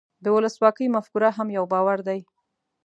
د ولسواکۍ مفکوره هم یو باور دی.